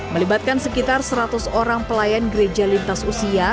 melibatkan sekitar seratus orang pelayan gereja lintas usia